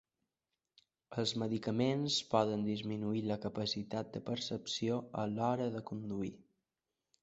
Els medicaments poden disminuir la capacitat de percepció a l'hora de conduir.